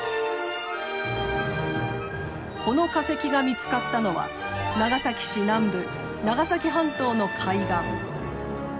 この化石が見つかったのは長崎市南部長崎半島の海岸。